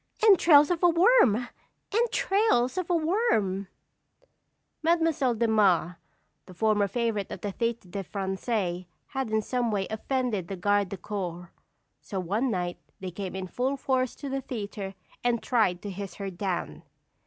entrails of a worm! entrails of a worm!" Mademoiselle de Mars, the former favorite of the Théâtre de Français, had in some way offended the Gardes du Corps. So one night they came in full force to the theatre and tried to hiss her down.